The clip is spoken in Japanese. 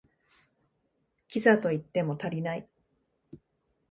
キザと言っても足りない